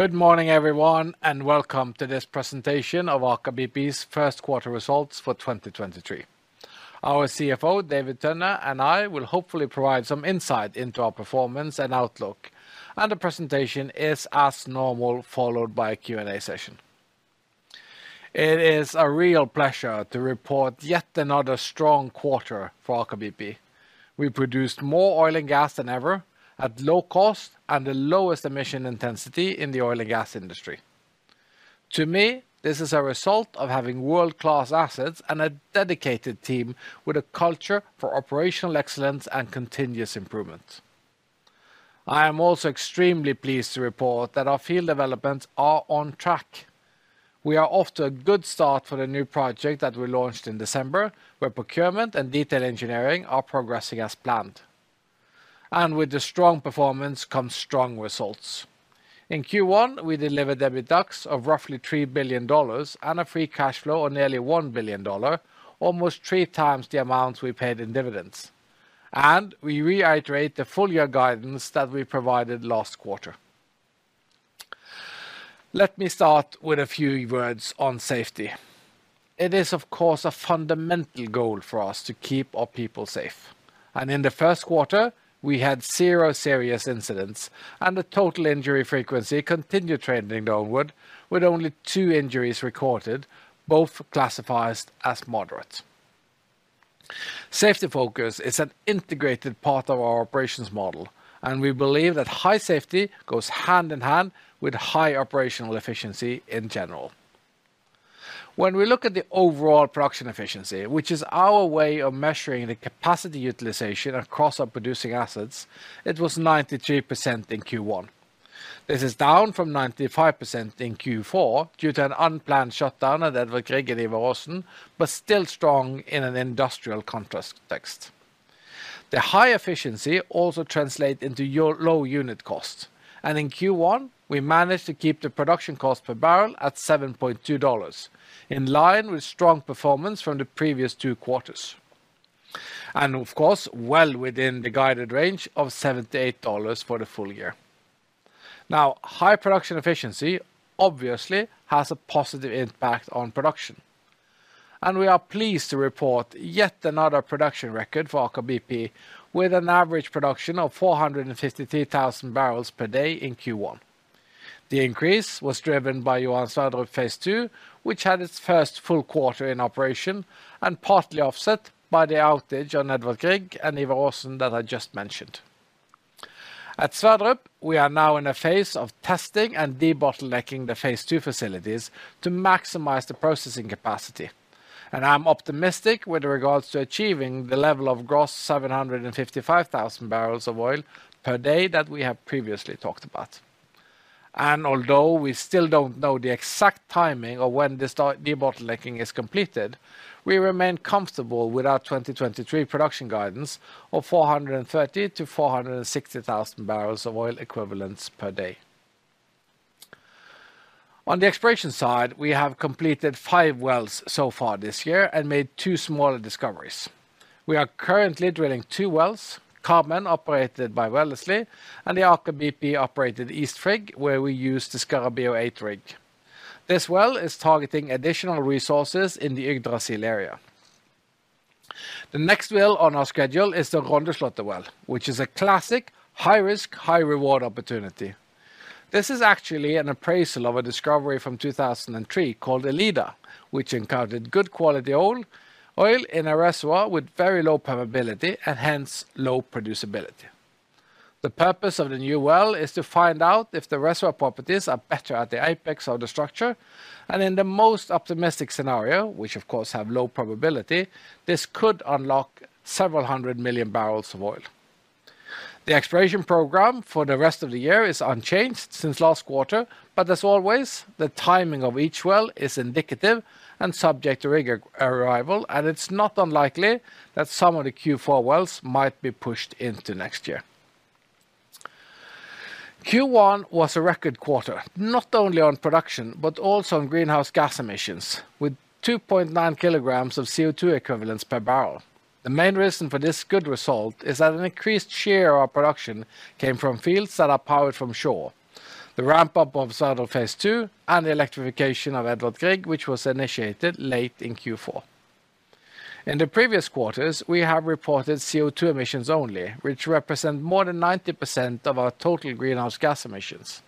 Good morning, everyone, welcome to this presentation of Aker BP's first quarter results for 2023. Our CFO, David Tønne, and I will hopefully provide some insight into our performance and outlook, the presentation is, as normal, followed by a Q&A session. It is a real pleasure to report yet another strong quarter for Aker BP. We produced more oil and gas than ever at low cost and the lowest emission intensity in the oil and gas industry. To me, this is a result of having world-class assets and a dedicated team with a culture for operational excellence and continuous improvement. I am also extremely pleased to report that our field developments are on track. We are off to a good start for the new project that we launched in December, where procurement and detail engineering are progressing as planned. With the strong performance comes strong results. In Q1, we delivered EBITDAX of roughly $3 billion and a free cash flow of nearly $1 billion, almost 3x the amount we paid in dividends. We reiterate the full year guidance that we provided last quarter. Let me start with a few words on safety. It is, of course, a fundamental goal for us to keep our people safe. In the first quarter, we had zero serious incidents, and the total injury frequency continued trending downward with only two injuries recorded, both classified as moderate. Safety focus is an integrated part of our operations model, and we believe that high safety goes hand in hand with high operational efficiency in general. When we look at the overall production efficiency, which is our way of measuring the capacity utilization across our producing assets, it was 93% in Q1. This is down from 95% in Q4 due to an unplanned shutdown at Edvard Grieg and Ivar Aasen, but still strong in an industrial context. The high efficiency also translate into your low unit cost. In Q1, we managed to keep the production cost per bbl at $7.2, in line with strong performance from the previous two quarters, and of course, well within the guided range of $7-$8 for the full year. High production efficiency obviously has a positive impact on production. We are pleased to report yet another production record for Aker BP with an average production of 453,000bbl per day in Q1. The increase was driven by Johan Sverdrup phase II, which had its first full quarter in operation and partly offset by the outage on Edvard Grieg and Ivar Aasen that I just mentioned. At Sverdrup, we are now in a phase of testing and debottlenecking the phase II facilities to maximize the processing capacity. I'm optimistic with regards to achieving the level of gross 755,000 bbl of oil per day that we have previously talked about. Although we still don't know the exact timing of when this debottlenecking is completed, we remain comfortable with our 2023 production guidance of 430,000-460,000 bbl of oil equivalents per day. On the exploration side, we have completed five wells so far this year and made two smaller discoveries. We are currently drilling two wells, Carmen, operated by Wellesley, and the Aker BP-operated East Frigg, where we use the Scarabeo 8 rig. This well is targeting additional resources in the Yggdrasil area. The next well on our schedule is the Rondeslotter well, which is a classic high risk, high reward opportunity. This is actually an appraisal of a discovery from 2003 called Elida, which encountered good quality oil in a reservoir with very low permeability and hence low producibility. The purpose of the new well is to find out if the reservoir properties are better at the apex of the structure, and in the most optimistic scenario, which of course have low probability, this could unlock several hundred million barrels of oil. The exploration program for the rest of the year is unchanged since last quarter. As always, the timing of each well is indicative and subject to rig arrival. It's not unlikely that some of the Q4 wells might be pushed into next year. Q1 was a record quarter, not only on production, but also on greenhouse gas emissions with 2.9 kg of CO2 equivalents per barrel. The main reason for this good result is that an increased share of production came from fields that are powered from shore, the ramp-up of Sverdrup phase II, and the electrification of Edvard Grieg, which was initiated late in Q4. In the previous quarters, we have reported CO2 emissions only, which represent more than 90% of our total greenhouse gas emissions.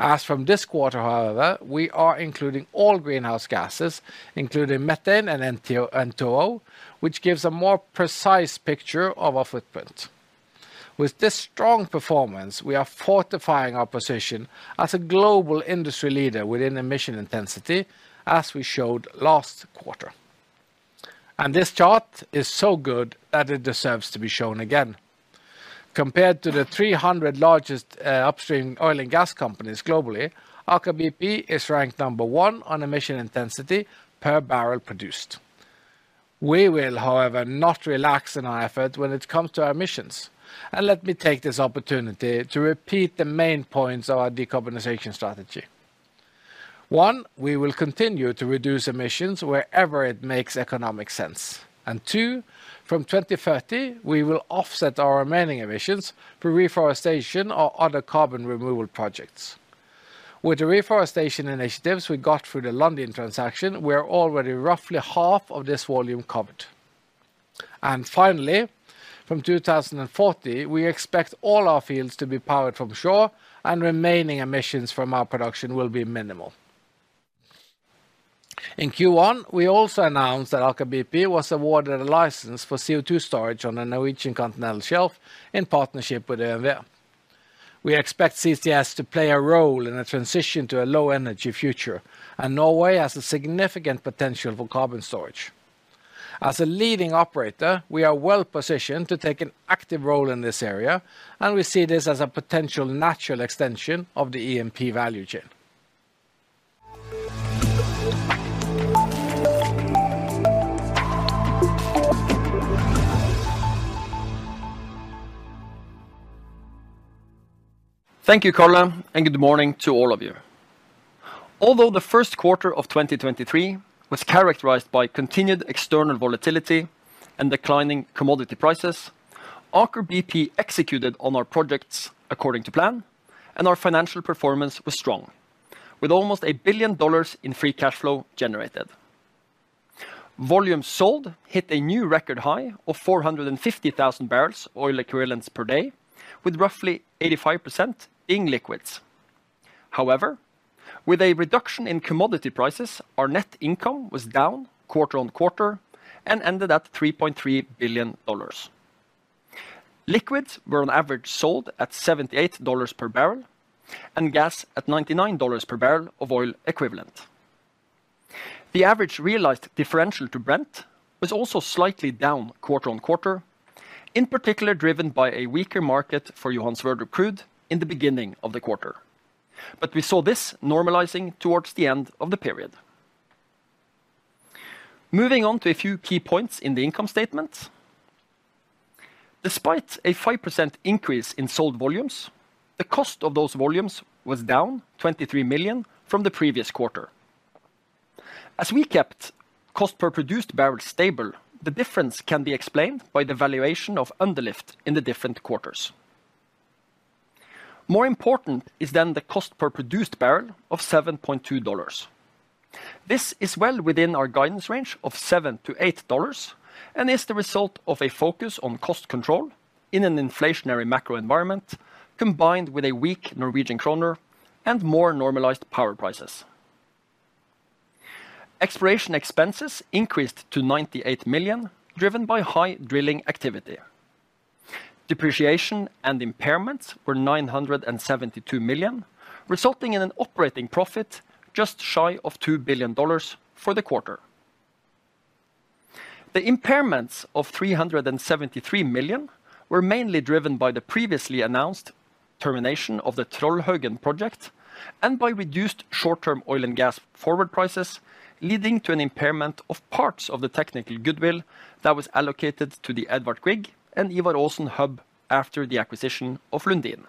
As from this quarter, however, we are including all greenhouse gases, including methane and N2O, which gives a more precise picture of our footprint. With this strong performance, we are fortifying our position as a global industry leader within emission intensity, as we showed last quarter. This chart is so good that it deserves to be shown again. Compared to the 300 largest upstream oil and gas companies globally, Aker BP is ranked number one on emission intensity per barrel produced. We will, however, not relax in our effort when it comes to our emissions. Let me take this opportunity to repeat the main points of our decarbonization strategy. We will continue to reduce emissions wherever it makes economic sense. From 2030, we will offset our remaining emissions through reforestation or other carbon removal projects. With the reforestation initiatives we got through the Lundin transaction, we are already roughly half of this volume covered. Finally, from 2040, we expect all our fields to be powered from shore and remaining emissions from our production will be minimal. In Q1, we also announced that Aker BP was awarded a license for CO2 storage on a Norwegian continental shelf in partnership with OMV. We expect CCS to play a role in a transition to a low energy future. Norway has a significant potential for carbon storage. As a leading operator, we are well-positioned to take an active role in this area, and we see this as a potential natural extension of the EMP value chain. Thank you, Karl. Good morning to all of you. Although the first quarter of 2023 was characterized by continued external volatility and declining commodity prices, Aker BP executed on our projects according to plan. Our financial performance was strong, with almost $1 billion in free cash flow generated. Volumes sold hit a new record high of 450,000 bbl oil equivalents per day, with roughly 85% in liquids. With a reduction in commodity prices, our net income was down quarter-on-quarter and ended at $3.3 billion. Liquids were on average sold at $78 per bbl and gas at $99 per bbl of oil equivalent. The average realized differential to Brent was also slightly down quarter-on-quarter, in particular, driven by a weaker market for Johansverd crude in the beginning of the quarter. We saw this normalizing towards the end of the period. Moving on to a few key points in the income statement. Despite a 5% increase in sold volumes, the cost of those volumes was down $23 million from the previous quarter. As we kept cost per produced barrel stable, the difference can be explained by the valuation of underlift in the different quarters. More important is the cost per produced bbl of $7.2. This is well within our guidance range of $7-$8, and is the result of a focus on cost control in an inflationary macro environment, combined with a weak Norwegian kroner and more normalized power prices. Exploration expenses increased to $98 million, driven by high drilling activity. Depreciation and impairments were $972 million, resulting in an operating profit just shy of $2 billion for the quarter. The impairments of $373 million were mainly driven by the previously announced termination of the Troldhaugen project and by reduced short-term oil and gas forward prices, leading to an impairment of parts of the technical goodwill that was allocated to the Edvard Grieg and Ivar Aasen hub after the acquisition of Lundin.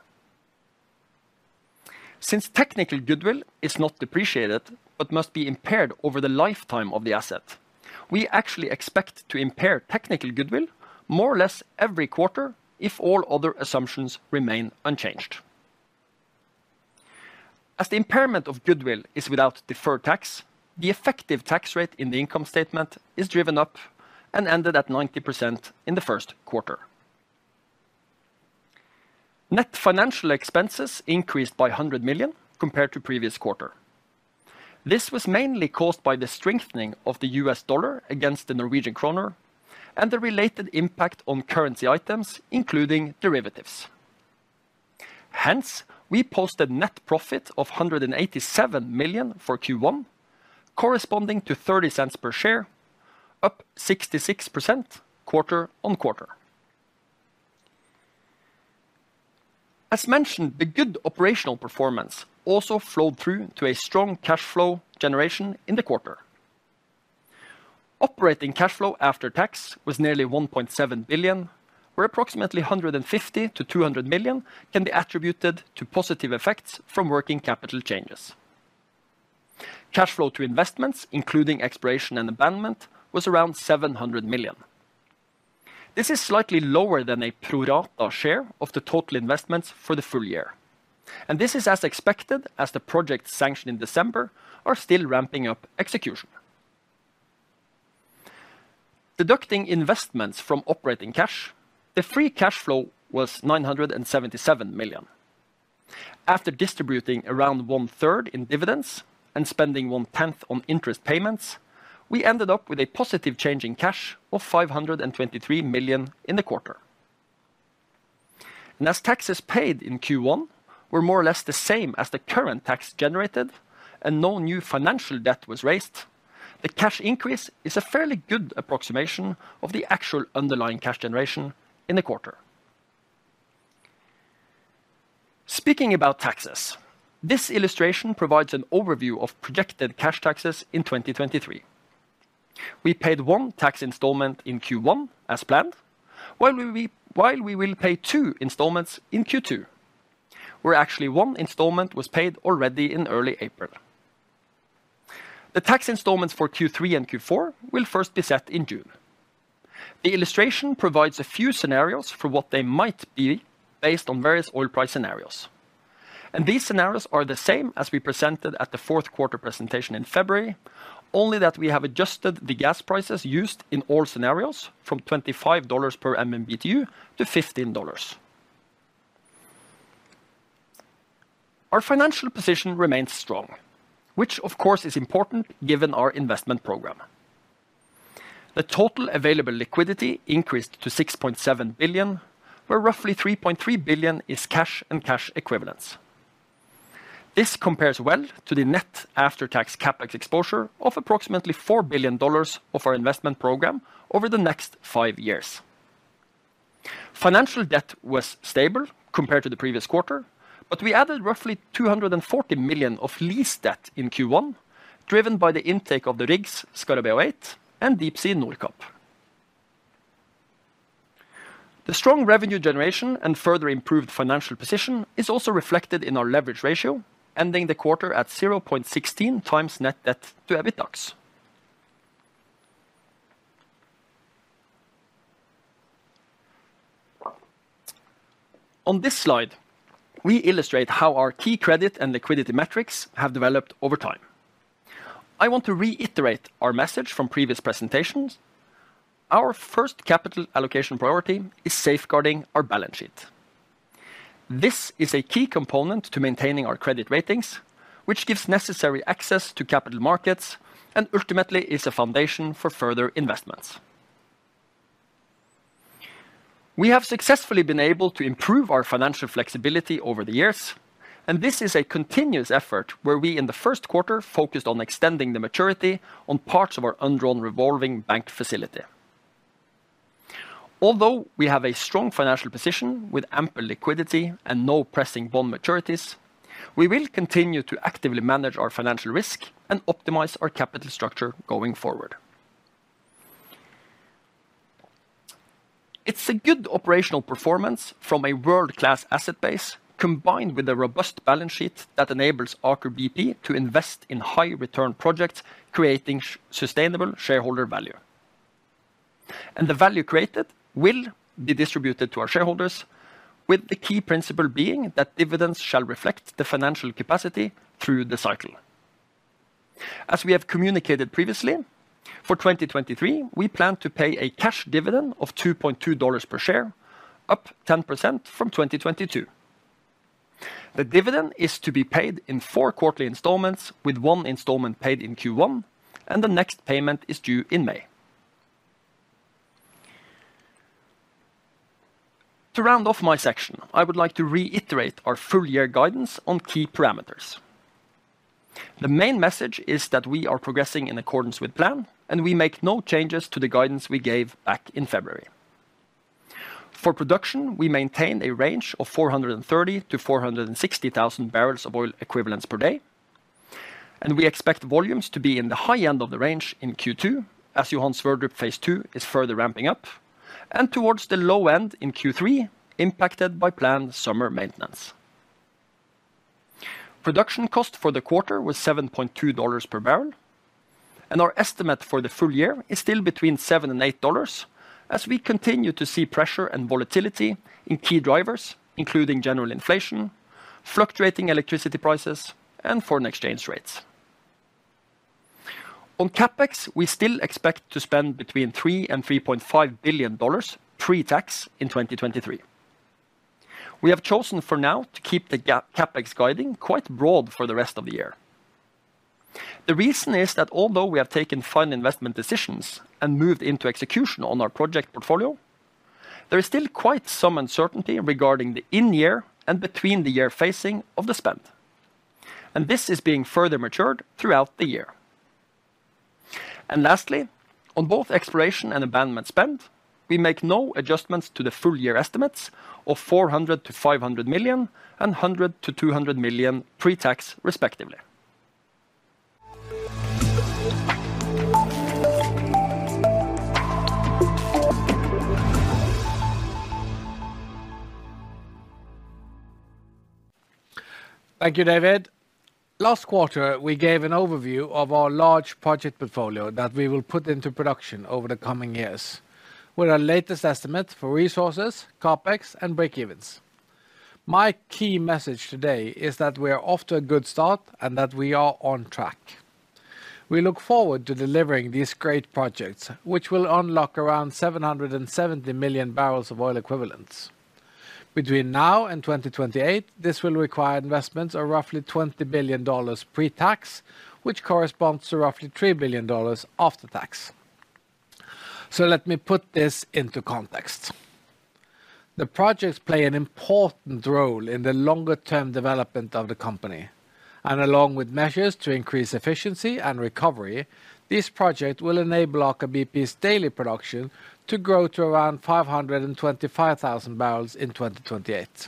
Since technical goodwill is not depreciated but must be impaired over the lifetime of the asset, we actually expect to impair technical goodwill more or less every quarter if all other assumptions remain unchanged. As the impairment of goodwill is without deferred tax, the effective tax rate in the income statement is driven up and ended at 90% in the first quarter. Net financial expenses increased by $100 million compared to previous quarter. This was mainly caused by the strengthening of the U.S. dollar against the Norwegian kroner and the related impact on currency items, including derivatives. We posted net profit of $187 million for Q1, corresponding to $0.30 per share, up 66% quarter-on-quarter. As mentioned, the good operational performance also flowed through to a strong cash flow generation in the quarter. Operating cash flow after tax was nearly $1.7 billion, where approximately $150 million-$200 million can be attributed to positive effects from working capital changes. Cash flow to investments, including exploration and abandonment, was around $700 million. This is slightly lower than a pro rata share of the total investments for the full year. This is as expected as the project sanctioned in December are still ramping up execution. Deducting investments from operating cash, the free cash flow was $977 million. After distributing around 1/3 in dividends and spending 1/10 on interest payments, we ended up with a positive change in cash of $523 million in the quarter. As taxes paid in Q1 were more or less the same as the current tax generated and no new financial debt was raised, the cash increase is a fairly good approximation of the actual underlying cash generation in the quarter. Speaking about taxes, this illustration provides an overview of projected cash taxes in 2023. We paid one tax installment in Q1 as planned, while we will pay two installments in Q2, where actually one installment was paid already in early April. The tax installments for Q3 and Q4 will first be set in June. The illustration provides a few scenarios for what they might be based on various oil price scenarios. These scenarios are the same as we presented at the fourth quarter presentation in February, only that we have adjusted the gas prices used in all scenarios from $25 per MMBtu to $15. Our financial position remains strong, which of course is important given our investment program. The total available liquidity increased to $6.7 billion, where roughly $3.3 billion is cash and cash equivalents. This compares well to the net after-tax CapEx exposure of approximately $4 billion of five years. Financial debt was stable compared to the previous quarter. We added roughly $240 million of lease debt in Q1, driven by the intake of the rigs, Scarabeo 8 and Deepsea Nordkapp. The strong revenue generation and further improved financial position is also reflected in our leverage ratio, ending the quarter at 0.16x net debt to EBITDA. On this slide, we illustrate how our key credit and liquidity metrics have developed over time. I want to reiterate our message from previous presentations. Our first capital allocation priority is safeguarding our balance sheet. This is a key component to maintaining our credit ratings, which gives necessary access to capital markets and ultimately is a foundation for further investments. We have successfully been able to improve our financial flexibility over the years, this is a continuous effort where we in the first quarter focused on extending the maturity on parts of our undrawn revolving bank facility. Although we have a strong financial position with ample liquidity and no pressing bond maturities, we will continue to actively manage our financial risk and optimize our capital structure going forward. It's a good operational performance from a world-class asset base combined with a robust balance sheet that enables Aker BP to invest in high return projects, creating sustainable shareholder value. The value created will be distributed to our shareholders with the key principle being that dividends shall reflect the financial capacity through the cycle. As we have communicated previously, for 2023, we plan to pay a cash dividend of $2.2 per share, up 10% from 2022. The dividend is to be paid in four quarterly installments, with one installment paid in Q1. The next payment is due in May. To round off my section, I would like to reiterate our full-year guidance on key parameters. The main message is that we are progressing in accordance with plan. We make no changes to the guidance we gave back in February. For production, we maintain a range of 430,000-460,000 bbl of oil equivalents per day. We expect volumes to be in the high end of the range in Q2 as Johan Sverdrup phase II is further ramping up, towards the low end in Q3 impacted by planned summer maintenance. Production cost for the quarter was $7.2 per bbl. Our estimate for the full year is still between $7 and $8 as we continue to see pressure and volatility in key drivers, including general inflation, fluctuating electricity prices, and foreign exchange rates. On CapEx, we still expect to spend between $3 billion and $3.5 billion pre-tax in 2023. We have chosen for now to keep the CapEx guiding quite broad for the rest of the year. The reason is that although we have taken final investment decisions and moved into execution on our project portfolio, there is still quite some uncertainty regarding the in-year and between the year facing of the spend, and this is being further matured throughout the year. Lastly, on both exploration and abandonment spend, we make no adjustments to the full-year estimates of $400 million-$500 million and $100 million-$200 million pre-tax respectively. Thank you, David. Last quarter, we gave an overview of our large project portfolio that we will put into production over the coming years with our latest estimate for resources, CapEx, and breakevens. My key message today is that we are off to a good start and that we are on track. We look forward to delivering these great projects, which will unlock around 770 MMbpd of oil equivalents. Between now and 2028, this will require investments of roughly $20 billion pre-tax, which corresponds to roughly $3 billion after tax. Let me put this into context. The projects play an important role in the longer-term development of the company. Along with measures to increase efficiency and recovery, this project will enable Aker BP's daily production to grow to around 525,000 bbl in 2028.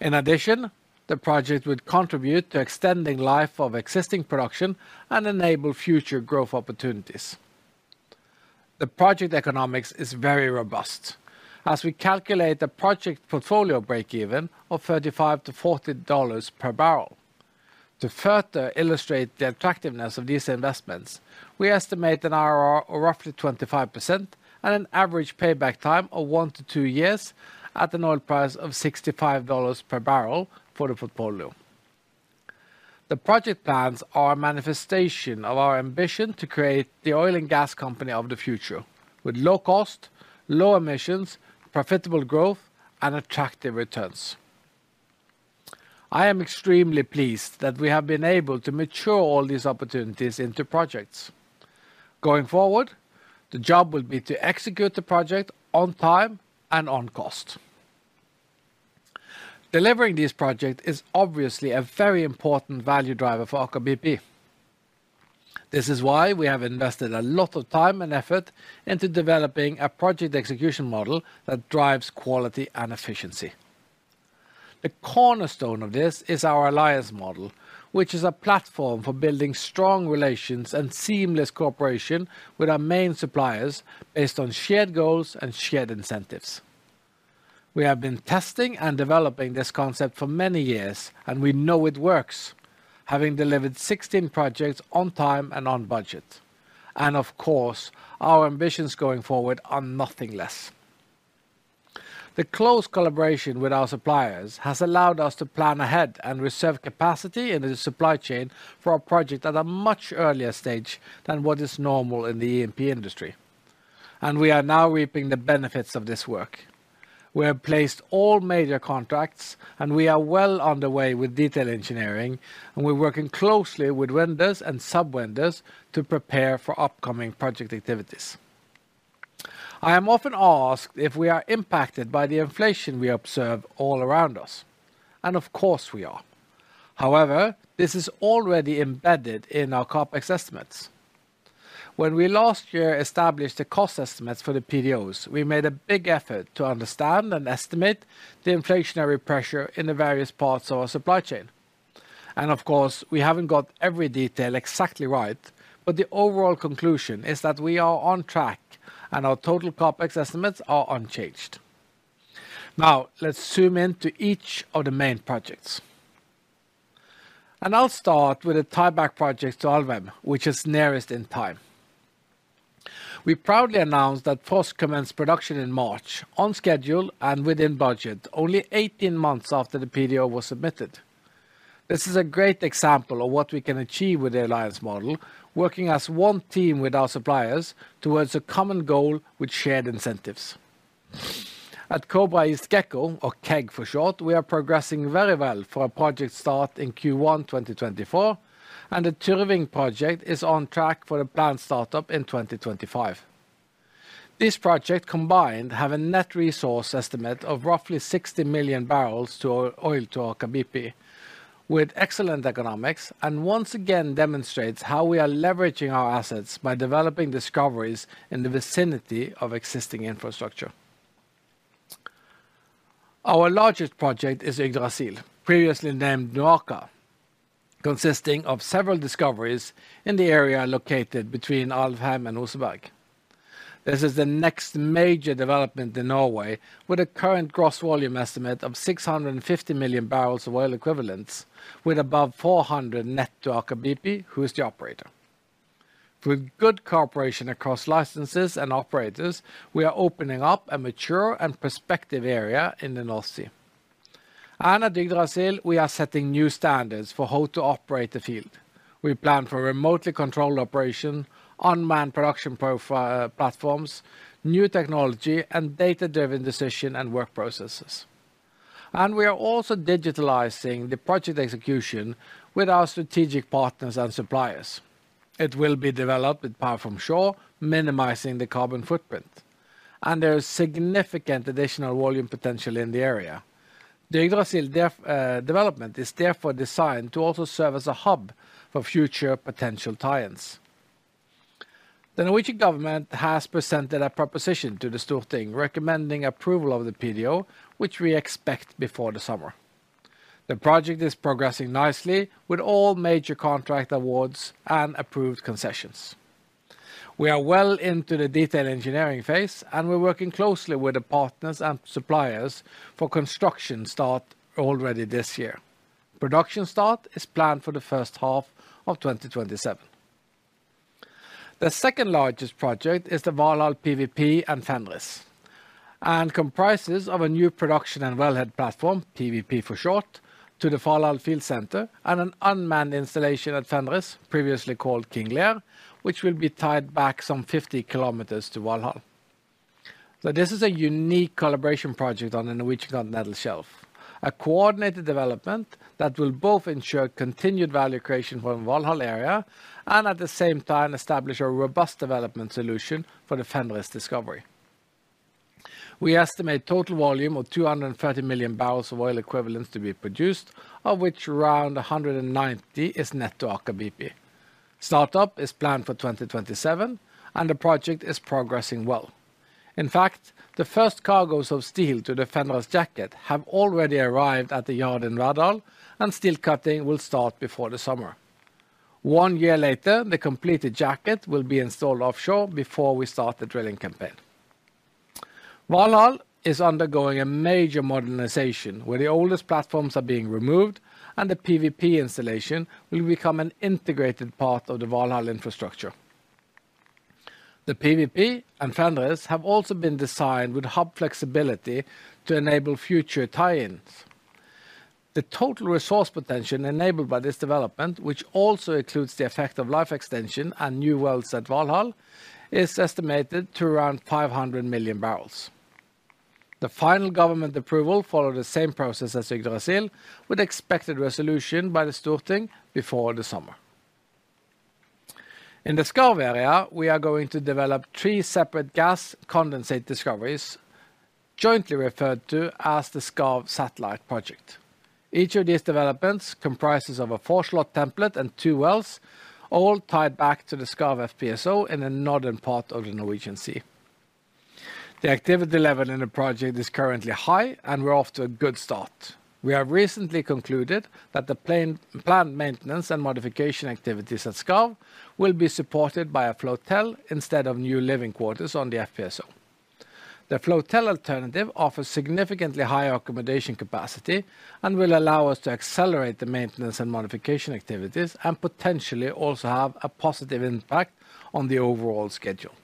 In addition, the project would contribute to extending life of existing production and enable future growth opportunities. The project economics is very robust as we calculate the project portfolio break-even of $35-$40 per bbl. To further illustrate the attractiveness of these investments, we estimate an IRR of roughly 25% and an average payback time of one-two years at an oil price of $65 per bbl for the portfolio. The project plans are a manifestation of our ambition to create the oil and gas company of the future with low cost, low emissions, profitable growth and attractive returns. I am extremely pleased that we have been able to mature all these opportunities into projects. Going forward, the job will be to execute the project on time and on cost. Delivering this project is obviously a very important value driver for Aker BP. This is why we have invested a lot of time and effort into developing a project execution model that drives quality and efficiency. The cornerstone of this is our alliance model, which is a platform for building strong relations and seamless cooperation with our main suppliers based on shared goals and shared incentives. We have been testing and developing this concept for many years, and we know it works, having delivered 16 projects on time and on budget. Of course, our ambitions going forward are nothing less. The close collaboration with our suppliers has allowed us to plan ahead and reserve capacity in the supply chain for our project at a much earlier stage than what is normal in the E&P industry. We are now reaping the benefits of this work. We have placed all major contracts, and we are well on the way with detail engineering, and we're working closely with vendors and sub-vendors to prepare for upcoming project activities. I am often asked if we are impacted by the inflation we observe all around us, and of course we are. However, this is already embedded in our CapEx estimates. When we last year established the cost estimates for the PDOs, we made a big effort to understand and estimate the inflationary pressure in the various parts of our supply chain. Of course, we haven't got every detail exactly right, but the overall conclusion is that we are on track and our total CapEx estimates are unchanged. Let's zoom in to each of the main projects. I'll start with the tieback project to Alvheim, which is nearest in time. We proudly announced that Frosk commenced production in March on schedule and within budget, only 18 months after the PDO was submitted. This is a great example of what we can achieve with the alliance model, working as one team with our suppliers towards a common goal with shared incentives. At Cobra-East Gekko, or KEG for short, we are progressing very well for a project start in Q1 2024, and the Tyving project is on track for the planned startup in 2025. These projects combined have a net resource estimate of roughly 60 MMbpd to oil to Aker BP with excellent economics and once again demonstrates how we are leveraging our assets by developing discoveries in the vicinity of existing infrastructure. Our largest project is Yggdrasil, previously named NOAKA, consisting of several discoveries in the area located between Alvheim and Oseberg. This is the next major development in Norway with a current gross volume estimate of 650 MMbpd of oil equivalents with above 400 net to Aker BP, who is the operator. Through good cooperation across licenses and operators, we are opening up a mature and prospective area in the North Sea. At Yggdrasil, we are setting new standards for how to operate the field. We plan for remotely controlled operation, unmanned production profile, platforms, new technology and data-driven decision and work processes. We are also digitalizing the project execution with our strategic partners and suppliers. It will be developed with power from shore, minimizing the carbon footprint, and there is significant additional volume potential in the area. The Yggdrasil development is therefore designed to also serve as a hub for future potential tie-ins. The Norwegian government has presented a proposition to the Storting, recommending approval of the PDO, which we expect before the summer. The project is progressing nicely with all major contract awards and approved concessions. We are well into the detail engineering phase, and we're working closely with the partners and suppliers for construction start already this year. Production start is planned for the first half of 2027. The second largest project is the Valhall PVP and Fenris and comprises of a new production and wellhead platform, PVP for short, to the Valhall field center and an unmanned installation at Fenris, previously called King Lear, which will be tied back some 50 kilometers to Valhall. This is a unique collaboration project on the Norwegian continental shelf, a coordinated development that will both ensure continued value creation for the Valhall area and at the same time establish a robust development solution for the Fenris discovery. We estimate total volume of 230 MMbpd of oil equivalents to be produced, of which around 190 is net to Aker BP. Startup is planned for 2027, and the project is progressing well. In fact, the first cargos of steel to the Fenris jacket have already arrived at the yard in Radal, and steel cutting will start before the summer. One year later, the completed jacket will be installed offshore before we start the drilling campaign. Valhall is undergoing a major modernization where the oldest platforms are being removed and the PVP installation will become an integrated part of the Valhall infrastructure. The PVP and Fenris have also been designed with hub flexibility to enable future tie-ins. The total resource potential enabled by this development, which also includes the effect of life extension and new wells at Valhall, is estimated to around 500MMbpd. The final government approval follow the same process as Yggdrasil, with expected resolution by the Storting before the summer. In the Skarv area, we are going to develop three separate gas condensate discoveries jointly referred to as the Skarv Satellite project. Each of these developments comprises of a four-slot template and two wells, all tied back to the Skarv FPSO in the northern part of the Norwegian Sea. The activity level in the project is currently high, and we're off to a good start. We have recently concluded that the planned maintenance and modification activities at Skarv will be supported by a flotel instead of new living quarters on the FPSO. The flotel alternative offers significantly higher accommodation capacity and will allow us to accelerate the maintenance and modification activities, and potentially also have a positive impact on the overall schedule.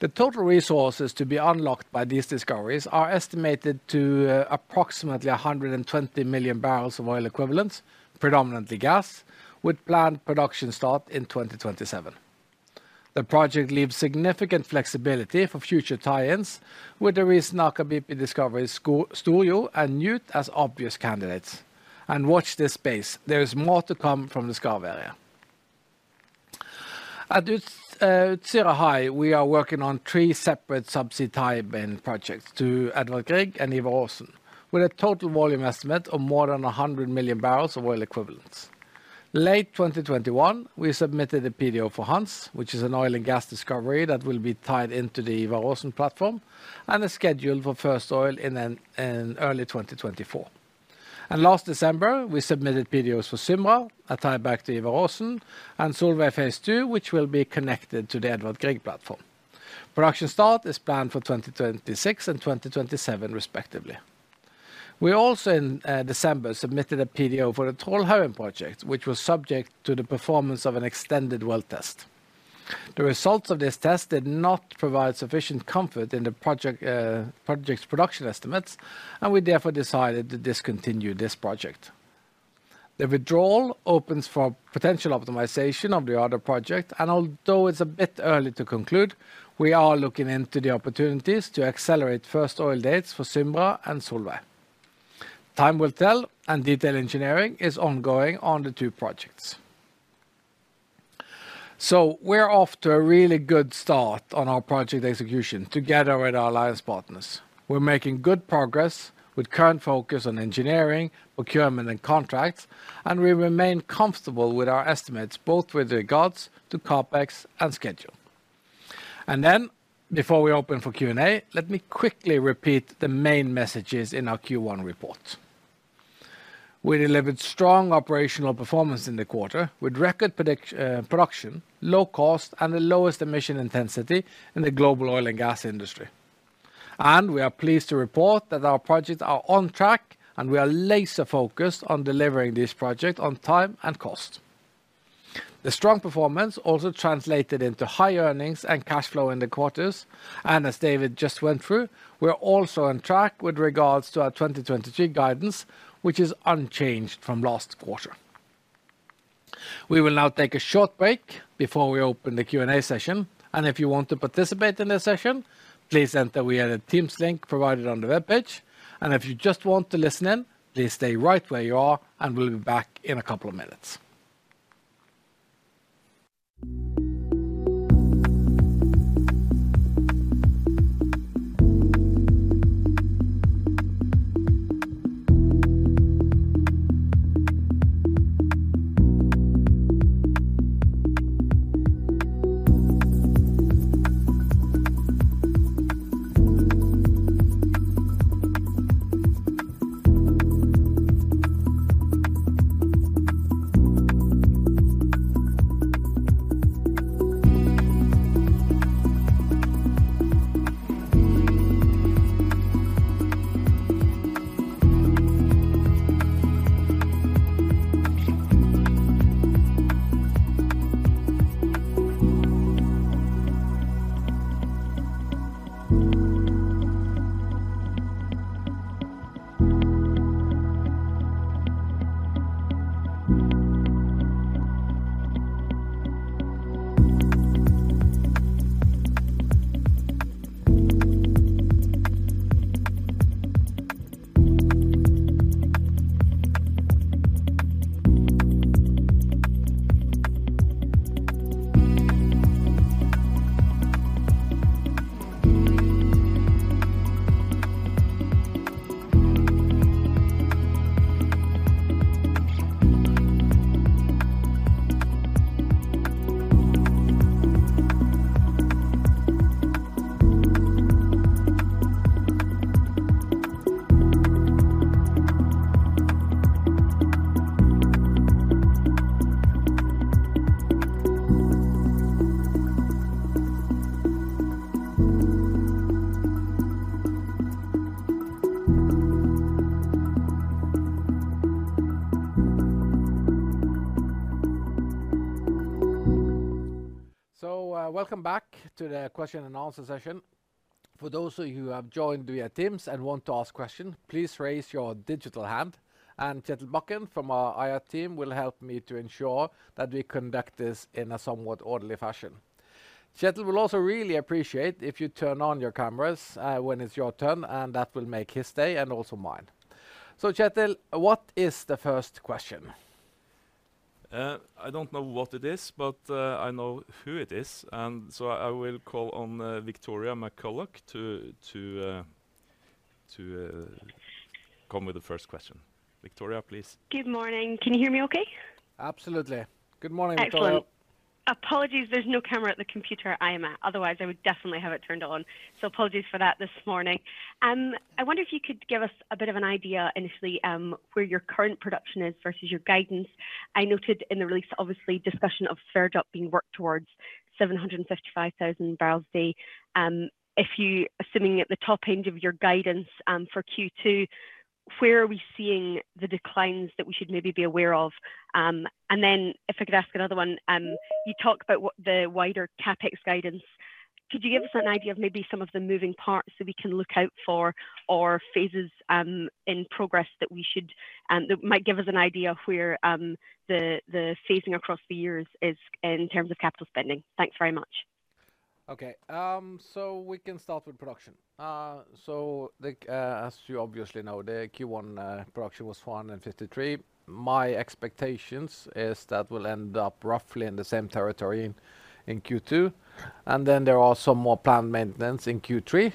The total resources to be unlocked by these discoveries are estimated to approximately 120 MMbpd of oil equivalents, predominantly gas, with planned production start in 2027. The project leaves significant flexibility for future tie-ins with the recent Aker BP discoveries, Storjord and Njord as obvious candidates. Watch this space. There is more to come from the Skarv area. At Utsira High, we are working on three separate subsea tie-back projects to Edvard Grieg and Ivar Aasen, with a total volume estimate of more than 100 MMbpd of oil equivalents. Late 2021, we submitted a PDO for Hans, which is an oil and gas discovery that will be tied into the Ivar Aasen platform and a schedule for first oil in early 2024. Last December, we submitted PDOs for Symra, a tieback to Ivar Aasen, and Solveig phase II, which will be connected to the Edvard Grieg platform. Production start is planned for 2026 and 2027 respectively. We also in December submitted a PDO for the Troldhaugen project, which was subject to the performance of an extended well test. The results of this test did not provide sufficient comfort in the project's production estimates, and we therefore decided to discontinue this project. The withdrawal opens for potential optimization of the other project, and although it's a bit early to conclude, we are looking into the opportunities to accelerate first oil dates for Symra and Solveig. Time will tell, and detail engineering is ongoing on the two projects. We're off to a really good start on our project execution together with our alliance partners. We're making good progress with current focus on engineering, procurement, and contracts. We remain comfortable with our estimates both with regards to CapEx and schedule. Before we open for Q&A, let me quickly repeat the main messages in our Q1 report. We delivered strong operational performance in the quarter with record production, low cost, and the lowest emission intensity in the global oil and gas industry. We are pleased to report that our projects are on track, and we are laser focused on delivering this project on time and cost. The strong performance also translated into high earnings and cash flow in the quarters. As David just went through, we're also on track with regards to our 2023 guidance, which is unchanged from last quarter. We will now take a short break before we open the Q&A session. If you want to participate in this session, please enter via the Teams link provided on the webpage. If you just want to listen in, please stay right where you are and we'll be back in a couple of minutes. Welcome back to the question and answer session. For those of you who have joined via Teams and want to ask question, please raise your digital hand and Kjetil Bakken from our IR team will help me to ensure that we conduct this in a somewhat orderly fashion. Kjetil will also really appreciate if you turn on your cameras when it's your turn, and that will make his day and also mine. Kjetil, what is the first question? I don't know what it is, but I know who it is. I will call on Victoria McCulloch to come with the first question. Victoria, please. Good morning. Can you hear me okay? Absolutely. Good morning, Victoria. Excellent. Apologies, there's no camera at the computer I am at. Otherwise, I would definitely have it turned on. Apologies for that this morning. I wonder if you could give us a bit of an idea initially, where your current production is versus your guidance. I noted in the release, obviously, discussion of Sverdrup being worked towards 755,000 bbl a day. If you assuming at the top end of your guidance, for Q2, where are we seeing the declines that we should maybe be aware of? If I could ask another one, you talk about what the wider CapEx guidance. Could you give us an idea of maybe some of the moving parts that we can look out for or phases, in progress that we should, that might give us an idea of where, the phasing across the years is in terms of capital spending? Thanks very much. Okay. We can start with production. As you obviously know, the Q1 production was 153. My expectations is that we'll end up roughly in the same territory in Q2. There are some more planned maintenance in Q3.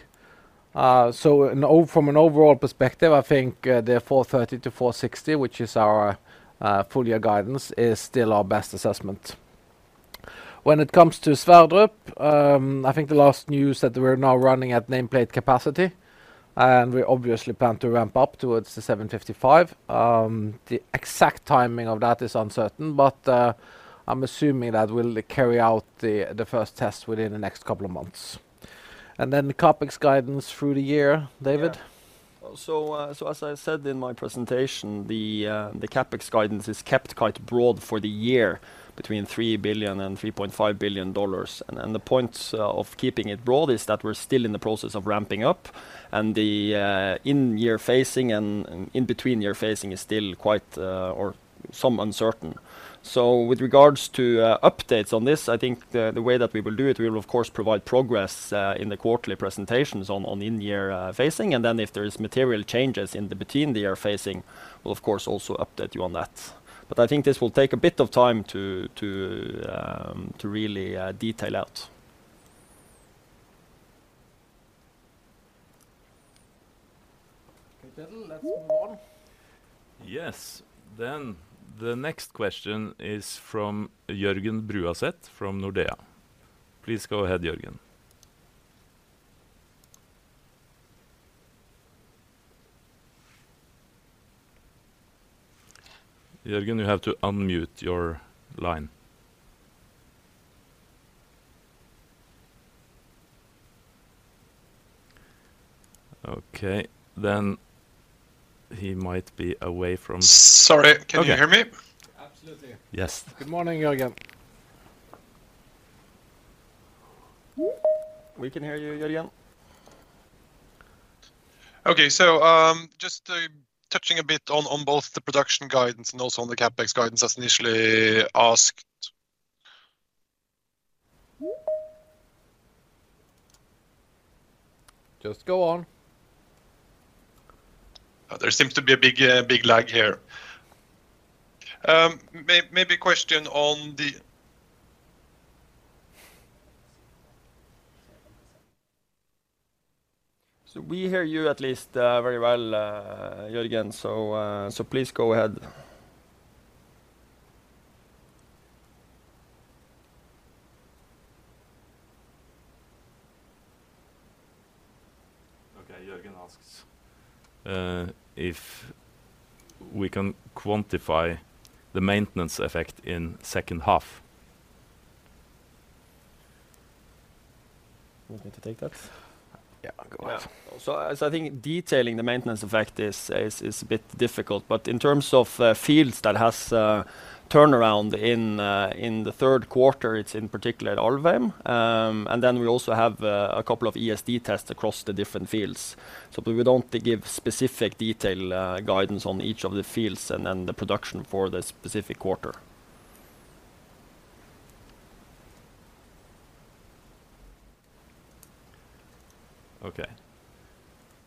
From an overall perspective, I think the 430-460, which is our full year guidance, is still our best assessment. When it comes to Sverdrup, I think the last news that we're now running at nameplate capacity, and we obviously plan to ramp up towards the 755. The exact timing of that is uncertain, but I'm assuming that we'll carry out the first test within the next couple of months. The CapEx guidance through the year, David? As I said in my presentation, the CapEx guidance is kept quite broad for the year between $3 billion and $3.5 billion. The point of keeping it broad is that we're still in the process of ramping up and the in-year phasing and in-between year phasing is still quite uncertain. With regards to updates on this, I think the way that we will do it, we will of course provide progress in the quarterly presentations on in-year phasing. If there is material changes in the between the year phasing, we'll of course also update you on that. I think this will take a bit of time to really detail out. Kjetil, let's move on. Yes. The next question is from Jørgen Bruaset from Nordea. Please go ahead, Jorgen. Jorgen, you have to unmute your line. Okay. He might be away from- Sorry. Can you hear me? Absolutely. Yes. Good morning, Jørgen. We can hear you, Jørgen. Okay. just touching a bit on both the production guidance and also on the CapEx guidance as initially asked. Just go on. There seems to be a big, big lag here. Maybe question on the... We hear you at least, very well, Jørgen. Please go ahead. Okay. Jørgen asks if we can quantify the maintenance effect in second half. You want me to take that? Yeah, go ahead. Yeah. As I think detailing the maintenance effect is a bit difficult, but in terms of fields that has turnaround in the third quarter, it's in particular Alvheim. Then we also have a couple of ESD tests across the different fields. We don't give specific detail guidance on each of the fields and then the production for the specific quarter. Okay.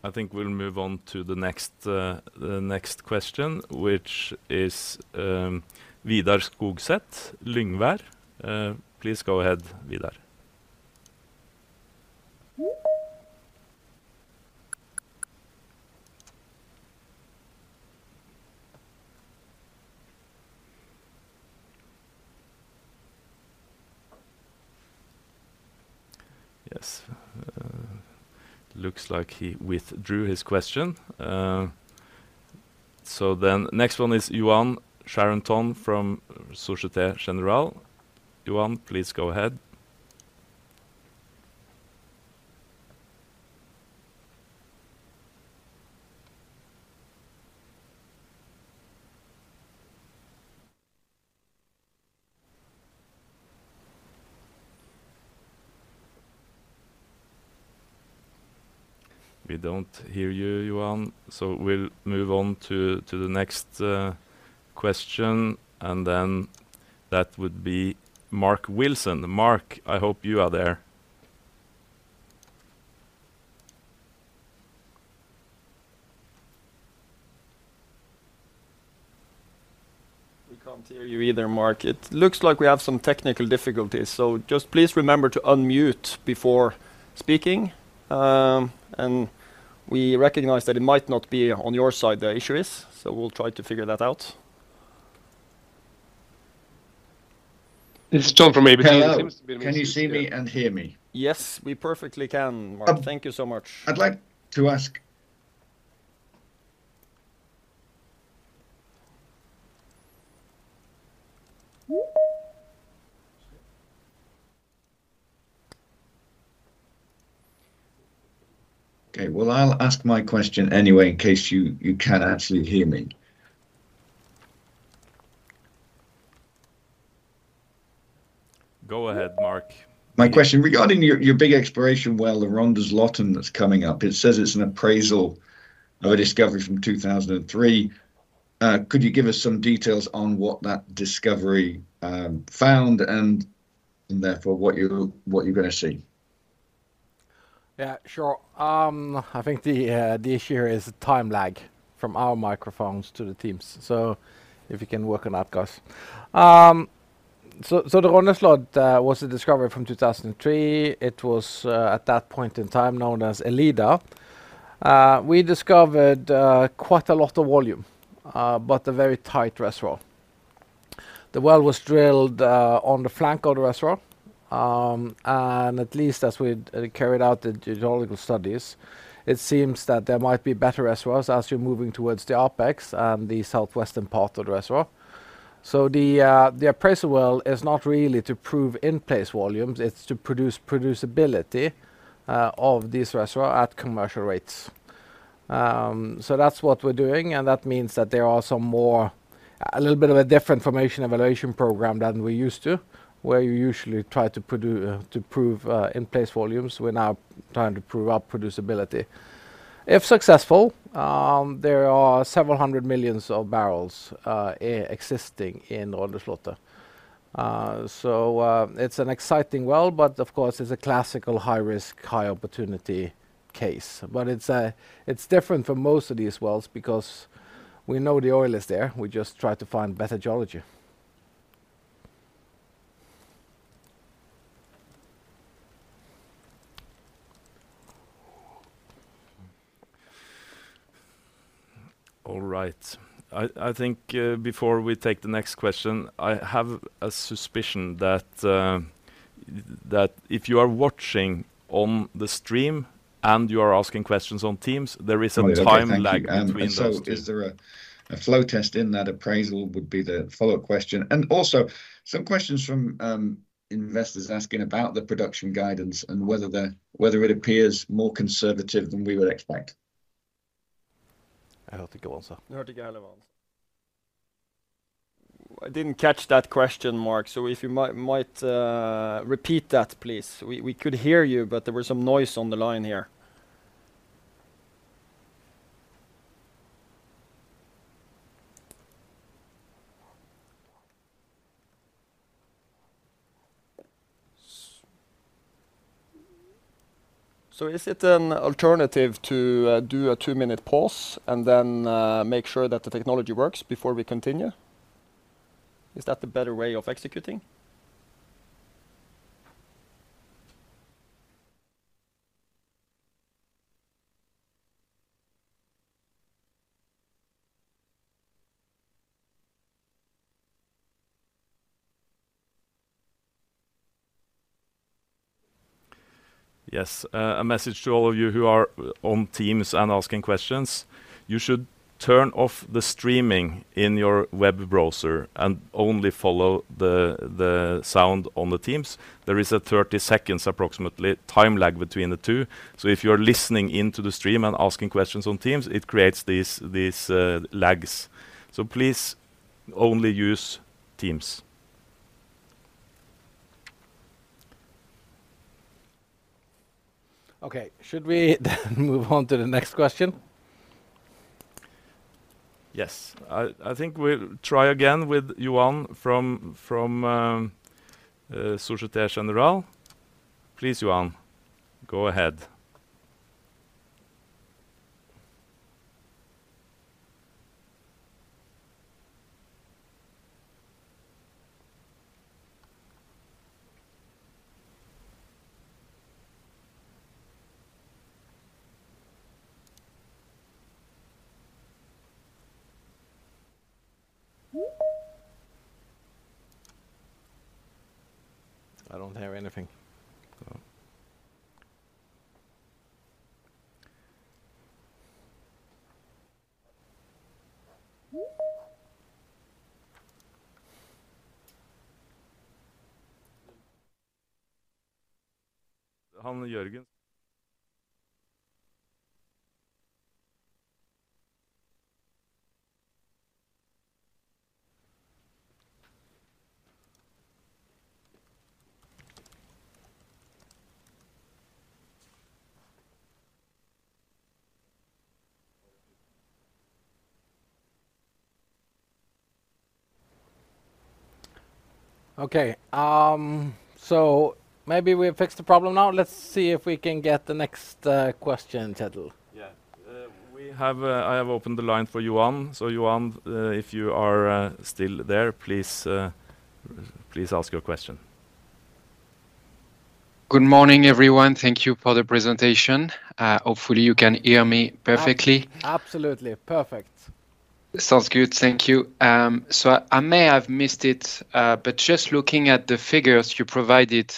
I think we'll move on to the next the next question, which is Vidar Skogset, Lyngvaer. Please go ahead, Vidar. Yes. Looks like he withdrew his question. Next one is Yoann Charenton from Societe Generale. Yoann, please go ahead. We don't hear you, Yoann, so we'll move on to the next question, and then that would be Mark Wilson. Mark, I hope you are there. We can't hear you either, Mark. It looks like we have some technical difficulties, so just please remember to unmute before speaking. We recognize that it might not be on your side, the issue is, so we'll try to figure that out. It's Tom from AB. Hello. Can you see me and hear me? Yes, we perfectly can, Mark. Um- Thank you so much. I'd like to ask. Okay. Well, I'll ask my question anyway in case you can't actually hear me. Go ahead, Mark. My question, regarding your big exploration well, the Rondeslottet, that's coming up, it says it's an appraisal of a discovery from 2003. Could you give us some details on what that discovery found and therefore what you're gonna see? Yeah, sure. I think the issue here is the time lag from our microphones to the Teams, if you can work on that, guys. The Rondeslottet was a discovery from 2003. It was at that point in time known as Elida. We discovered quite a lot of volume, but a very tight reservoir. The well was drilled on the flank of the reservoir. At least as we'd carried out the geological studies, it seems that there might be better reservoirs as you're moving towards the apex and the southwestern part of the reservoir. The appraisal well is not really to prove in-place volumes, it's to produce producibility of this reservoir at commercial rates. That's what we're doing, and that means that there are some more... A little bit of a different formation evaluation program than we're used to, where you usually try to prove in-place volumes. We're now trying to prove our producibility. If successful, there are several hundred million barrels existing in Rondeslottet. It's an exciting well, but of course it's a classical high-risk, high-opportunity case. It's different from most of these wells because we know the oil is there, we just try to find better geology. All right. I think, before we take the next question, I have a suspicion that if you are watching on the stream and you are asking questions on Teams, there is a time lag... Oh, okay. Thank you. between those two. Is there a flow test in that appraisal would be the follow-up question. Also some questions from investors asking about the production guidance and whether it appears more conservative than we would expect. I don't think it was on. I think it was on. I didn't catch that question, Mark, if you might repeat that, please. We could hear you, there was some noise on the line here. Is it an alternative to do a two-minute pause and make sure that the technology works before we continue? Is that the better way of executing? Yes. A message to all of you who are on Teams and asking questions, you should turn off the streaming in your web browser and only follow the sound on the Teams. There is a 30 seconds approximately time lag between the two, if you are listening into the stream and asking questions on Teams, it creates these lags. Please only use Teams. Okay. Should we move on to the next question? Yes. I think we'll try again with Yuan from Societe Generale. Please, Yuan, go ahead. I don't hear anything. Okay, maybe we have fixed the problem now. Let's see if we can get the next question, Kjetil. Yeah. I have opened the line for Johan. Johan, if you are still there, please ask your question. Good morning, everyone. Thank you for the presentation. Hopefully you can hear me perfectly. Absolutely. Perfect. Sounds good. Thank you. I may have missed it, but just looking at the figures you provided,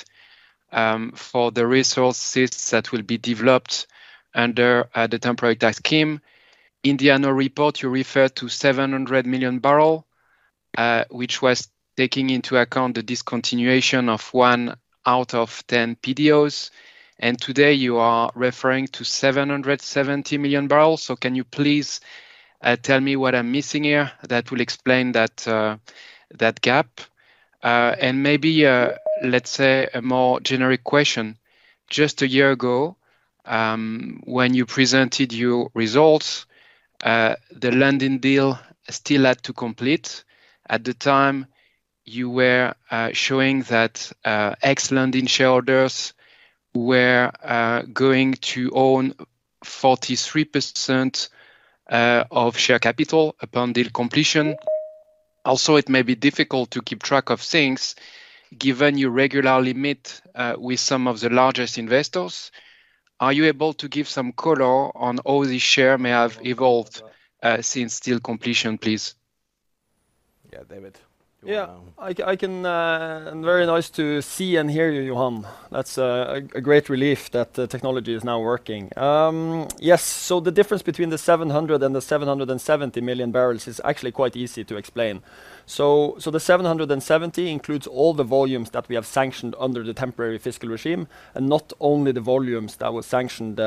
for the resources that will be developed under the temporary tax scheme. In the annual report, you referred to 700MMbpd, which was taking into account the discontinuation of one out of 10 PDOs, and today you are referring to 770 MMbpd. Can you please tell me what I'm missing here that will explain that gap? Maybe, let's say a more generic question. Just a year ago, when you presented your results, the Lundin deal still had to complete. At the time, you were showing that ex-Lundin shareholders were going to own 43% of share capital upon deal completion. It may be difficult to keep track of things given you regularly meet with some of the largest investors. Are you able to give some color on how the share may have evolved since deal completion, please? Yeah. David, do you wanna? I can. Very nice to see and hear you, Johan. That's a great relief that the technology is now working. Yes, the difference between the 700 and the 770 MMbpd is actually quite easy to explain. The 770 includes all the volumes that we have sanctioned under the temporary fiscal regime and not only the volumes that were sanctioned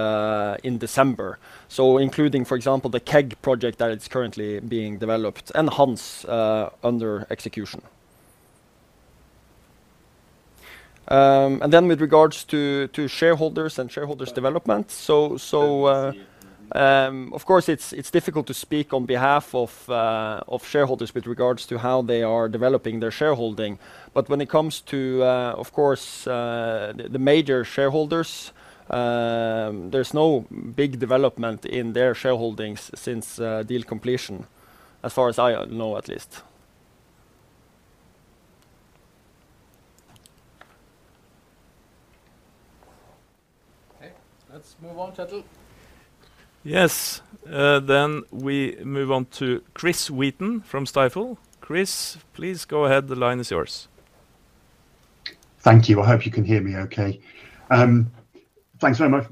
in December. Including, for example, the KEG project that is currently being developed and Hans under execution. With regards to shareholders and shareholders development, of course, it's difficult to speak on behalf of shareholders with regards to how they are developing their shareholding. When it comes to, of course, the major shareholders, there's no big development in their shareholdings since deal completion, as far as I know, at least. Okay, let's move on, Kjetil. Yes. We move on to Chris Wheaton from Stifel. Chris, please go ahead. The line is yours. Thank you. I hope you can hear me okay. Thanks very much.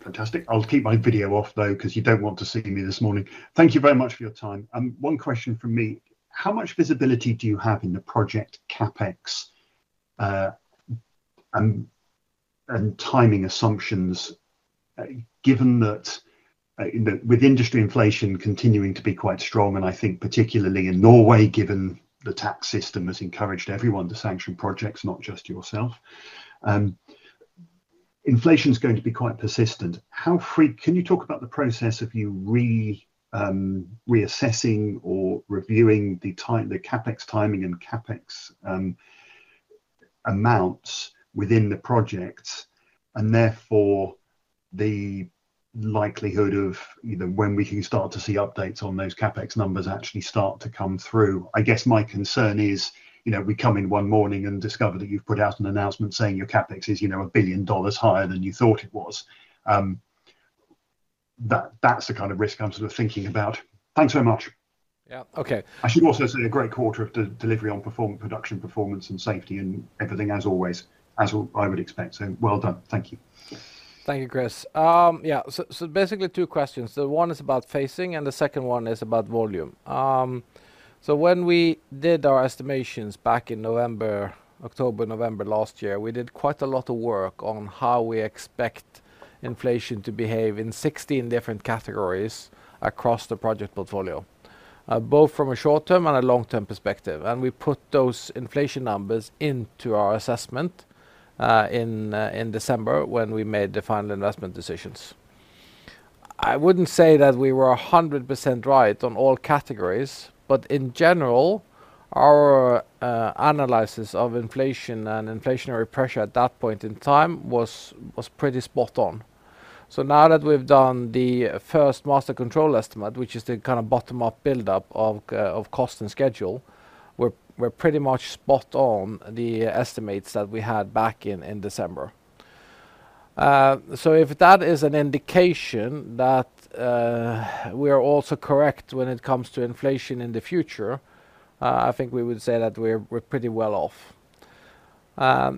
Fantastic. I'll keep my video off, though, 'cause you don't want to see me this morning. Thank you very much for your time. One question from me. How much visibility do you have in the project CapEx, and timing assumptions, given that, you know, with industry inflation continuing to be quite strong, and I think particularly in Norway, given the tax system has encouraged everyone to sanction projects, not just yourself, inflation's going to be quite persistent. Can you talk about the process of you reassessing or reviewing the CapEx timing and CapEx amounts within the project, and therefore the likelihood of, you know, when we can start to see updates on those CapEx numbers actually start to come through? I guess my concern is, you know, we come in one morning and discover that you've put out an announcement saying your CapEx is, you know, $1 billion higher than you thought it was. That's the kind of risk I'm sort of thinking about. Thanks so much. Yeah. Okay. I should also say a great quarter of delivery on production performance and safety and everything as always, I would expect. Well done. Thank you. Thank you, Chris. Yeah, basically two questions. The one is about phasing, and the second one is about volume. When we did our estimations back in November, October, November last year, we did quite a lot of work on how we expect inflation to behave in 16 different categories across the project portfolio, both from a short-term and a long-term perspective. We put those inflation numbers into our assessment in December when we made the final investment decisions. I wouldn't say that we were 100% right on all categories, but in general, our analysis of inflation and inflationary pressure at that point in time was pretty spot on. Now that we've done the first master control estimate, which is the kind of bottom-up buildup of cost and schedule, we're pretty much spot on the estimates that we had back in December. If that is an indication that we are also correct when it comes to inflation in the future, I think we would say that we're pretty well off.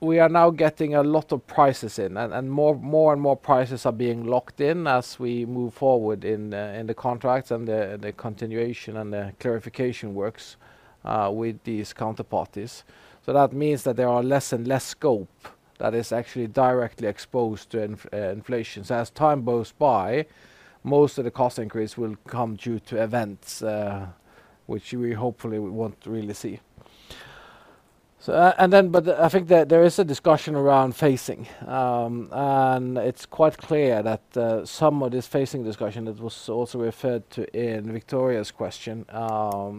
We are now getting a lot of prices in and more and more prices are being locked in as we move forward in the contracts and the continuation and the clarification works with these counterparties. That means that there are less and less scope that is actually directly exposed to inflation. As time goes by, most of the cost increase will come due to events which we hopefully won't really see. I think there is a discussion around phasing. It's quite clear that some of this phasing discussion that was also referred to in Victoria's question,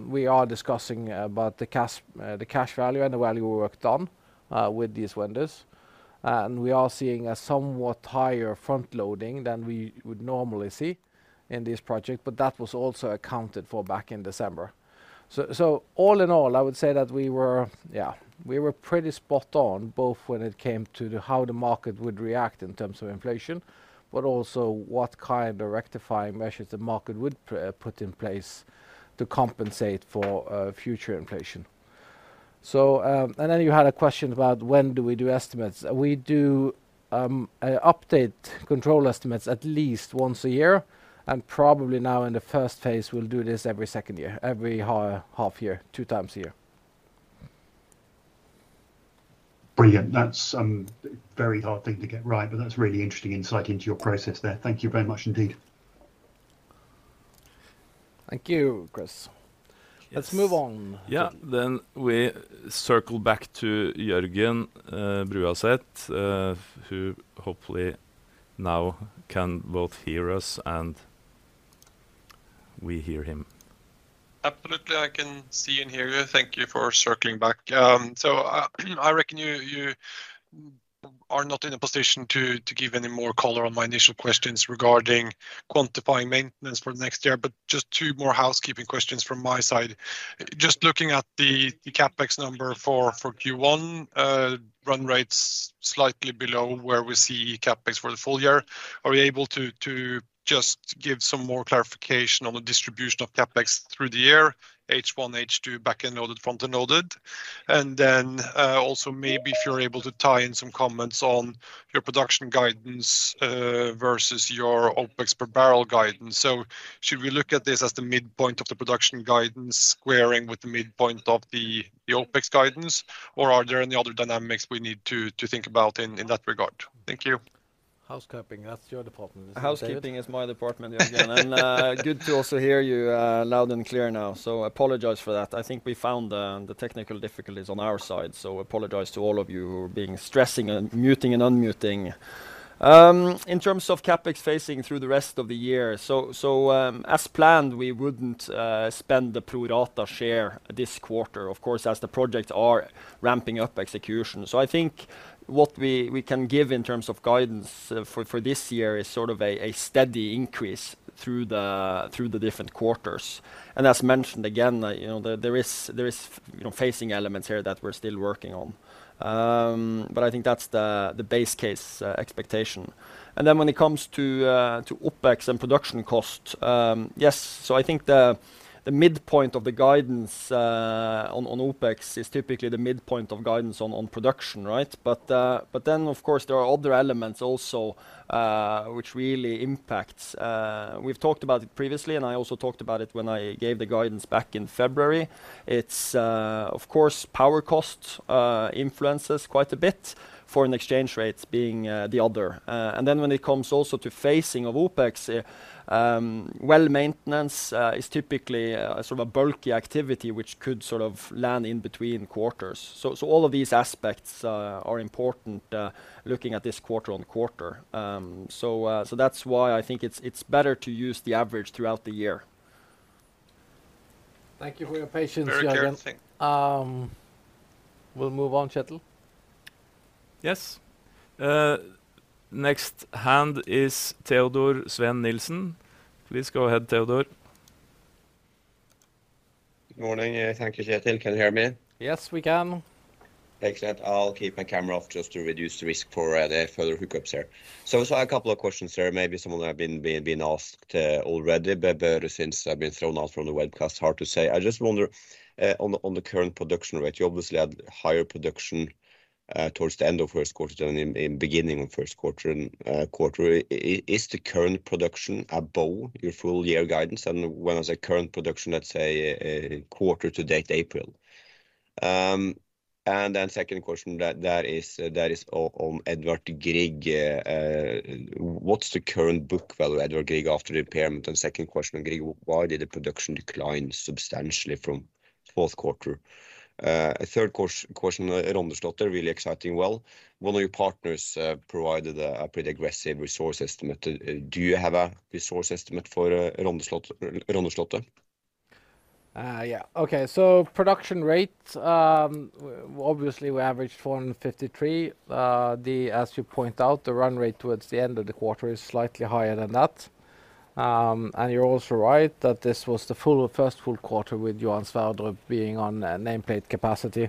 we are discussing about the cash, the cash value and the value worked on with these vendors. We are seeing a somewhat higher front-loading than we would normally see in this project, but that was also accounted for back in December. All in all, I would say that we were, we were pretty spot on, both when it came to how the market would react in terms of inflation, but also what kind of rectifying measures the market would put in place to compensate for future inflation. Then you had a question about when do we do estimates. We do update control estimates at least once a year, and probably now in the phase I we'll do this every second year, every half year, two times a year. Brilliant. That's very hard thing to get right, but that's really interesting insight into your process there. Thank you very much indeed. Thank you, Chris. Yes. Let's move on, Kjetil. Yeah. We circle back to Jørgen Bruaset, who hopefully now can both hear us and we hear him. Absolutely. I can see and hear you. Thank you for circling back. I reckon you are not in a position to give any more color on my initial questions regarding quantifying maintenance for next year, but just two more housekeeping questions from my side. Just looking at the CapEx number for Q1, run rates slightly below where we see CapEx for the full year. Are you able to just give some more clarification on the distribution of CapEx through the year, H1, H2, back-end loaded, front-end loaded? Then also maybe if you're able to tie in some comments on your production guidance versus your OpEx per barrel guidance. Should we look at this as the midpoint of the production guidance squaring with the midpoint of the OpEx guidance, or are there any other dynamics we need to think about in that regard? Thank you. Housekeeping, that's your department, isn't it, David? Housekeeping is my department, Jørgen. Good to also hear you loud and clear now. Apologize for that. I think we found the technical difficulties on our side. Apologize to all of you who are being stressing and muting and unmuting. In terms of CapEx phasing through the rest of the year, as planned, we wouldn't spend the pro rata share this quarter, of course, as the projects are ramping up execution. I think what we can give in terms of guidance for this year is sort of a steady increase through the different quarters. As mentioned again, you know, there is, you know, phasing elements here that we're still working on. But I think that's the base case expectation. Then when it comes to OpEx and production costs. Yes. I think the midpoint of the guidance on OpEx is typically the midpoint of guidance on production, right. Of course there are other elements also which really impacts. We've talked about it previously, and I also talked about it when I gave the guidance back in February. It's of course, power costs influences quite a bit, foreign exchange rates being the other. Then when it comes also to phasing of OpEx, well maintenance is typically sort of a bulky activity which could sort of land in between quarters. All of these aspects are important looking at this quarter-on-quarter. That's why I think it's better to use the average throughout the year. Thank you for your patience, Jørgen. Very clear. Thank you. We'll move on, Kjetil. Yes. next hand is Teodor Sveen-Nilsen. Please go ahead, Teodor. Good morning. Thank you, Kjetil. Can you hear me? Yes, we can. Excellent. I'll keep my camera off just to reduce the risk for any further hookups here. Just have a couple of questions here. Maybe some of them have been asked already, but since I've been thrown out from the webcast, hard to say. I just wonder on the current production rate, you obviously had higher production towards the end of first quarter than in beginning of first quarter and quarter. Is the current production above your full year guidance? When I say current production, let's say quarter to date April. Second question that is on Edvard Grieg. What's the current book value of Edvard Grieg after the impairment? Second question on Grieg, why did the production decline substantially from fourth quarter? Third question, Rondeslottet, really exciting well. One of your partners provided a pretty aggressive resource estimate. Do you have a resource estimate for Rondeslottet? Yeah. Okay. Production rate, obviously we averaged 153. As you point out, the run rate towards the end of the quarter is slightly higher than that. You're also right that this was the full, first full quarter with Johan Sverdrup being on nameplate capacity.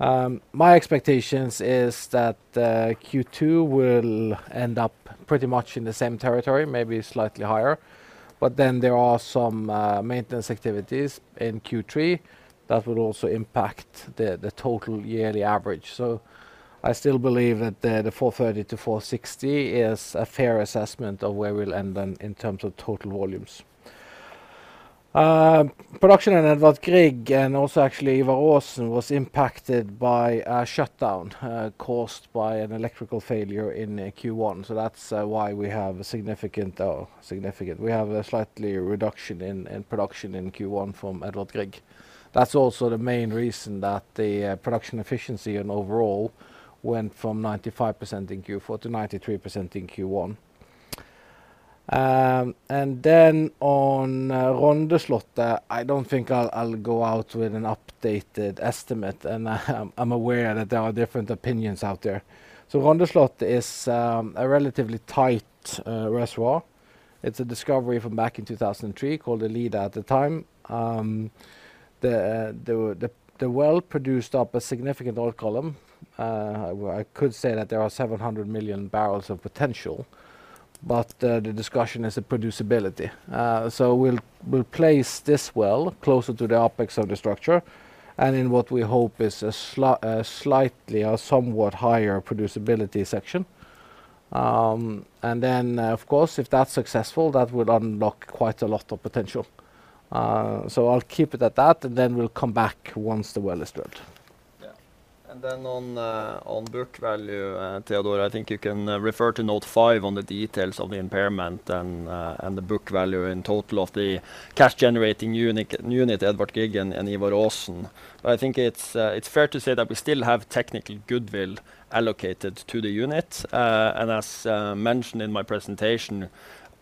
My expectations is that Q2 will end up pretty much in the same territory, maybe slightly higher. There are some maintenance activities in Q3 that will also impact the total yearly average. I still believe that the 430-460 is a fair assessment of where we'll end then in terms of total volumes. Production in Edvard Grieg and also actually Ivar Aasen was impacted by a shutdown caused by an electrical failure in Q1. That's why we have a slightly reduction in production in Q1 from Edvard Grieg. That's also the main reason that the production efficiency and overall went from 95% in Q4 to 93% in Q1. On Rondeslottet, I don't think I'll go out with an updated estimate. I'm aware that there are different opinions out there. Rondeslottet is a relatively tight reservoir. It's a discovery from back in 2003 called the lead at the time. The well produced up a significant oil column. I could say that there are 700 MMbpd of potential. The discussion is the producibility. We'll place this well closer to the apex of the structure and in what we hope is a slightly or somewhat higher producibility section. Of course, if that's successful, that would unlock quite a lot of potential. I'll keep it at that. We'll come back once the well is drilled. On book value, Teodor, I think you can refer to note five on the details of the impairment and the book value in total of the cash generating unit, Edvard Grieg and Ivar Aasen. I think it's fair to say that we still have technical goodwill allocated to the unit. As mentioned in my presentation,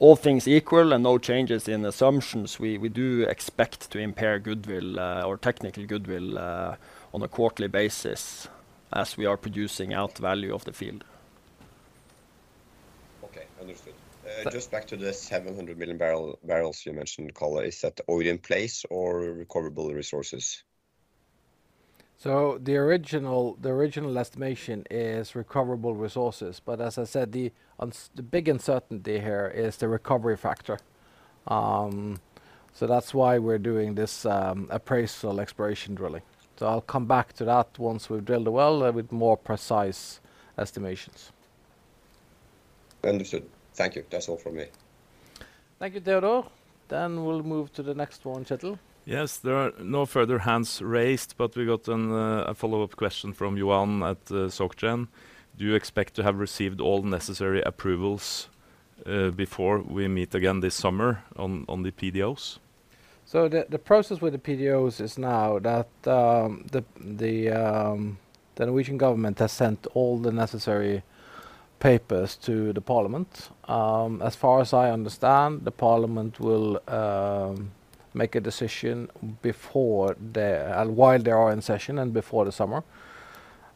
all things equal and no changes in assumptions, we do expect to impair goodwill, or technical goodwill, on a quarterly basis as we are producing out value of the field. Okay. Understood. But- Just back to the 700 MMbpd you mentioned, Karl. Is that oil in place or recoverable resources? The original estimation is recoverable resources. As I said, the big uncertainty here is the recovery factor. That's why we're doing this, appraisal exploration drilling. I'll come back to that once we've drilled the well, with more precise estimations. Understood. Thank you. That's all from me. Thank you, Teodor. We'll move to the next one, Kjetil. Yes. There are no further hands raised, we got a follow-up question from Jørgen at SocGen. Do you expect to have received all necessary approvals before we meet again this summer on the PDOs? The process with the PDOs is now that the Norwegian government has sent all the necessary papers to the parliament. As far as I understand, the parliament will make a decision before while they are in session and before the summer.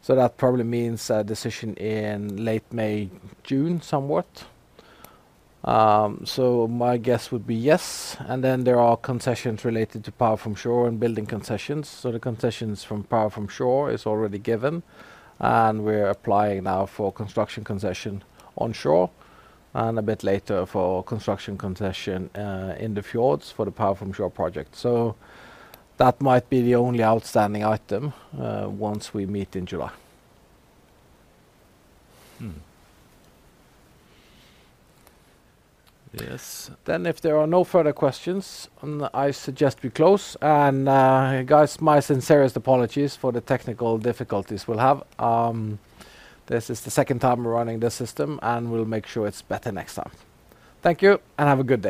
That probably means a decision in late May, June somewhat. My guess would be yes. Then there are concessions related to power from shore and building concessions. The concessions from power from shore is already given, and we're applying now for construction concession on shore and a bit later for construction concession in the fjords for the power from shore project. That might be the only outstanding item once we meet in July. Hmm. Yes. If there are no further questions, I suggest we close. Guys, my sincerest apologies for the technical difficulties we'll have. This is the second time we're running this system. We'll make sure it's better next time. Thank you, and have a good day.